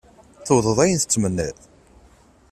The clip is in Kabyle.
Tewwḍeḍ ayen tettmenniḍ?